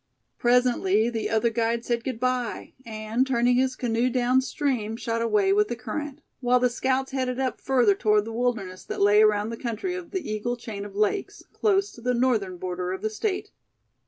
Presently the other guide said good bye, and turning his canoe down stream, shot away with the current; while the scouts headed up further toward the wilderness that lay around the country of the Eagle chain of lakes, close to the northern border of the State.